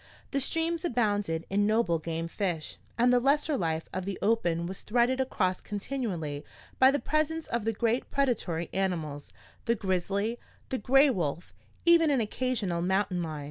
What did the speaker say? The streams abounded in noble game fish, and the lesser life of the open was threaded across continually by the presence of the great predatory animals the grizzly, the gray wolf, even an occasional mountain lion.